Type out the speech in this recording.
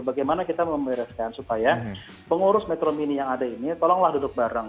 bagaimana kita membereskan supaya pengurus metro mini yang ada ini tolonglah duduk bareng